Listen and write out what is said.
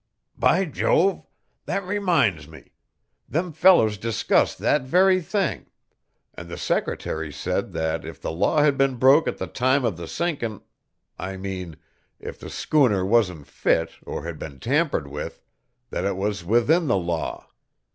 "By Jove! That reminds me. Them fellers discussed that very thing; an' the secretary said that if the law had been broke at the time of the sinkin' I mean, if the schooner wasn't fit or had been tampered with that it was within the law.